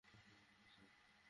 শঙ্কুতে, sir.